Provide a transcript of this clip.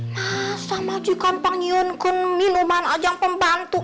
masa majikan pang yon kun minuman aja yang pembantu